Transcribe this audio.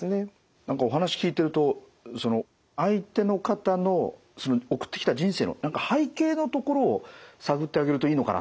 何かお話聞いてると相手の方の送ってきた人生の何か背景のところを探ってあげるといいのかなという。